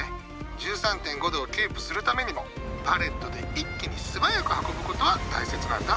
１３．５度をキープするためにもパレットで一気に素早く運ぶことは大切なんだ。